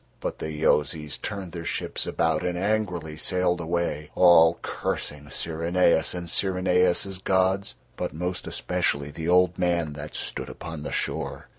But the Yozis turned their ships about and angrily sailed away, all cursing Syrinais and Syrinais's gods, but most especially the old man that stood upon the shore.